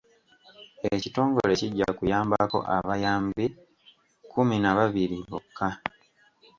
Ekitongole kijja kuyambako abayambi kkuminababiri bokka.